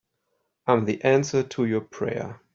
I'm the answer to your prayer.